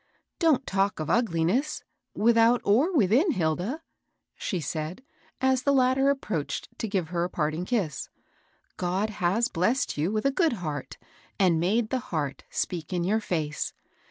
" Don't talk of ugliness, without or within, Hilda," she said, as the latter approached to give her a parting kiss. " God has blessed you with a good heart and made the heart speak in your face.